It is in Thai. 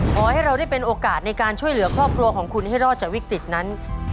ขอให้เราได้เป็นโอกาสในการช่วยเหลือครอบครัวของคุณให้รอดจากวิกฤตนั้น